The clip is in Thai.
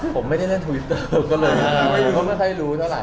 ผมไม่ได้เล่นทวิตเตอร์ก็เลยไม่ค่อยรู้เท่าไห